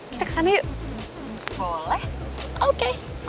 kita kesana yuk